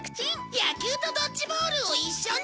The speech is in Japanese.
野球とドッジボールを一緒に！？